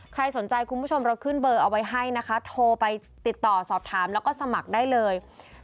ใครสนใจคุณผู้ชมเราขึ้นเบอร์เอาไว้ให้นะคะโทรไปติดต่อสอบถามแล้วก็สมัครได้เลย